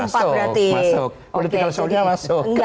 masuk politik internasional masuk